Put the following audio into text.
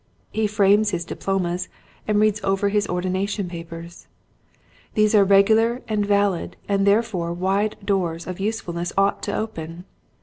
He frames his diplomas and reads over his ordination papers. These are regular and valid and therefore wide doors of useful ness ought to open.